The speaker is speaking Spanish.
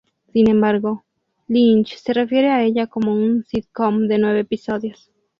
Sin embargo, Lynch se refiere a ella como un sitcom de nueve episodios.